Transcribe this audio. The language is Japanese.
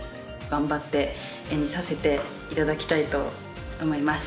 頑張って演じさせていただきたいと思います。